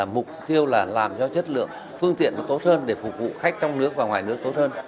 mục tiêu là làm cho chất lượng phương tiện tốt hơn để phục vụ khách trong nước và ngoài nước tốt hơn